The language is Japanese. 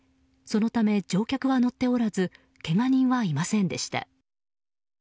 そのため乗客は乗っておらずけが人はいませんでした。